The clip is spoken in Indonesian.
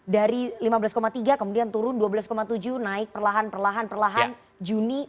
dari lima belas tiga kemudian turun dua belas tujuh naik perlahan perlahan perlahan juni